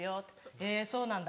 「へぇそうなんだ。